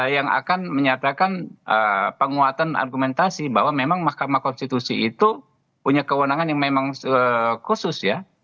yang akan menyatakan penguatan argumentasi bahwa memang mahkamah konstitusi itu punya kewenangan yang memang khusus ya